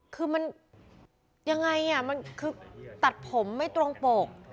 คือมันยังไงมันคือตัดผมไม่ตรงปก